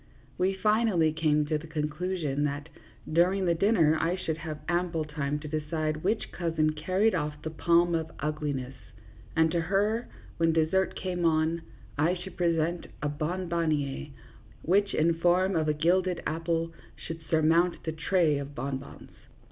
We finally came to the conclusion that during the dinner I should have ample time to decide which cousin carried off the palm of ugliness, and to her, when dessert came on, I should present a bonbon niere, which, in form of a gilded apple, should surmount the tray of bonbons.